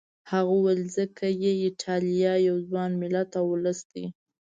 هغه وویل ځکه چې ایټالیا یو ځوان ملت او ولس دی.